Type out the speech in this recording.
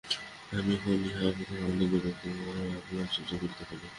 আমি এখন ইহা অপেক্ষা অনেক গুরুতর অপমান সহ্য করিতে পারি।